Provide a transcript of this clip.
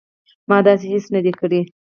ما داسې هیڅ نه دي کړي